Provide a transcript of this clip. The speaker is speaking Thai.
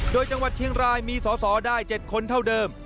โดยจังหวัดเชียงรายมีสอสอได้๗คนเท่าเดิม